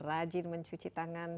rajin mencuci tangan